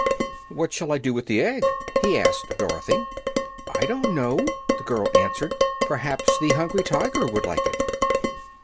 "What shall I do with the egg?" he asked Dorothy. "I do not know," the girl answered. "Perhaps the Hungry Tiger would like it."